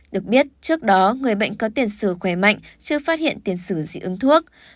được biết trước đó người bệnh có tiền sử khỏe mạnh chưa phát hiện tiền sử dị ứng thuốc